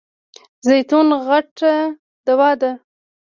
زیتون غټه دوا ده .